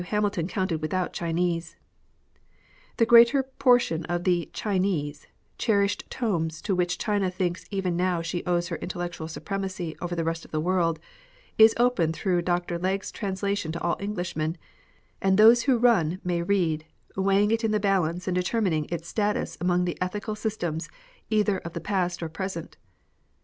Hamilton counted without Chinese. The greater portion of the " Classics," cherished tomes to which China thinks even now she owes her intel lectual supremacy over the rest of the world, is open through Dr Les^s^e's translation to all Enn^lishmen, and those who run may read, weighing it in the balance and determining its status among the ethical systems either of the past or present.